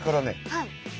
はい。